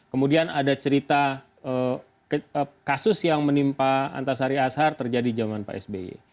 kemudian ada cerita kasus yang menimpa antasari ashar terjadi zaman pak sby